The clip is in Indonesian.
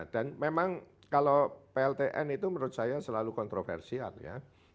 dan memang kalau pltn itu menurut saya selalu kontroversial ya